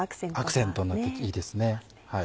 アクセントになっていいです。